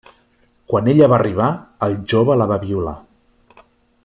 Quan ella va arribar, el jove la va violar.